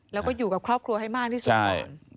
แล้วก็อยู่กับครอบครัวให้มากที่สุดก่อน